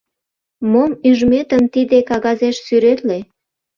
Мом ӱжметым тиде кагазеш сӱретле.